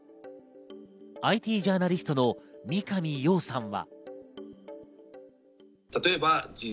ＩＴジャーナリストの三上洋さんは。